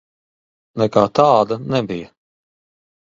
Nekā tāda nebija.